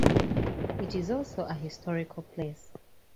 It is also a historical place.